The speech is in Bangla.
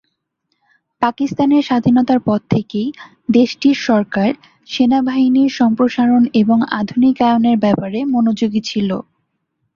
পাকিস্তানের স্বাধীনতার পর থেকেই দেশটির সরকার সেনাবাহিনীর সম্প্রসারণ এবং আধুনিকায়নের ব্যাপারে মনোযোগী ছিলো।